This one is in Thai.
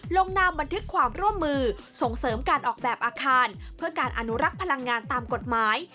ลงนามบันทึกความร่วมมือส่งเสริมการออกแบบอาคารเพื่อการอนุรักษ์พลังงานตามกฎหมาย